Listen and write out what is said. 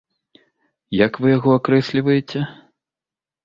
Як вы яго акрэсліваеце?